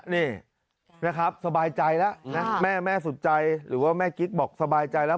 นี่นะครับสบายใจแล้วนะแม่แม่สุดใจหรือว่าแม่กิ๊กบอกสบายใจแล้ว